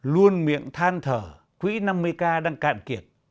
luôn miệng than thở quỹ năm mươi k đang cạn kiệt